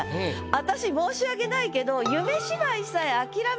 私申し訳ないけど。